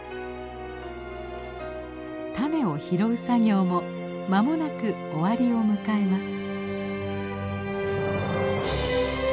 種を拾う作業も間もなく終わりを迎えます。